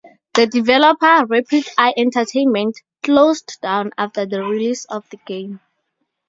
The developer, Rapid Eye Entertainment, closed down after the release of the game.